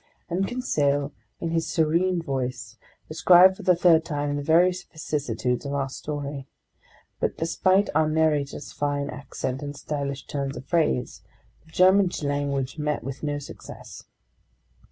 And Conseil, in his serene voice, described for the third time the various vicissitudes of our story. But despite our narrator's fine accent and stylish turns of phrase, the German language met with no success.